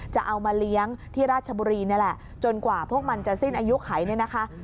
จะเอามาเลี้ยงที่ราชบุรีนี่แหละจนกว่าพวกมันจะสิ้นอายุไขเนี่ยนะคะ